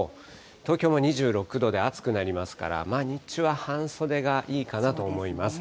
東京も２６度で暑くなりますから、日中は半袖がいいかなと思います。